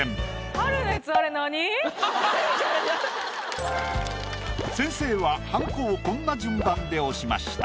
はるのやつ先生ははんこをこんな順番で押しました。